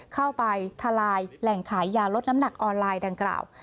เข้าไปตลายแหล่งขายยานอลเลยลำหนักออนไลน์ดังกล่าว